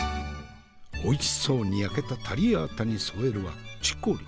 おいしそうに焼けたタリアータに添えるはチコリ。